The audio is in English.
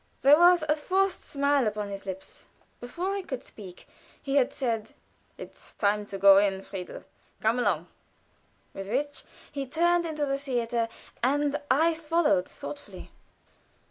There was a forced smile upon his lips. Before I could speak he had said: "It's time to go in, Friedel; come along!" With which he turned into the theater, and I followed thoughtfully.